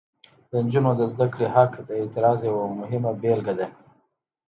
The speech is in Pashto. د نجونو د زده کړې حق د اعتراض یوه مهمه بیلګه ده.